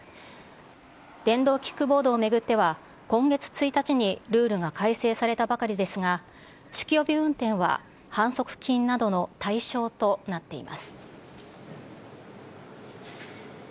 電動キックボードを巡っては、今月１日にルールが改正されたばかりですが、酒気帯び運転は反則金などの対象となっています。